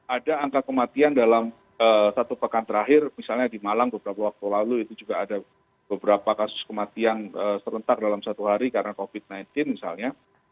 ada angka kematian dalam satu pekan terakhir misalnya di malang beberapa waktu lalu itu juga ada beberapa kasus kematian serentak dalam satu hari karena covid sembilan belas misalnya